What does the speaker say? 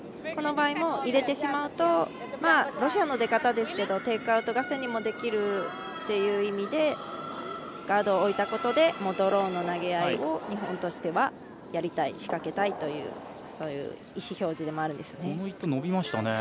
この場合も入れてしまうとロシアの出方ですけどテイクアウト合戦にもできるということでガードを置いたことでドローの投げ合いを日本としてはやりたい、しかけたいという意思表示でもあるんですね。